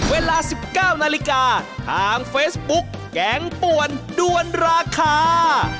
เวลา๑๙นาฬิกาทางเฟซบุ๊กแกงป่วนด้วนราคา